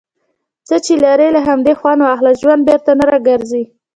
څۀ چې لرې، له همدې خؤند واخله. ژؤند بیرته نۀ را ګرځي.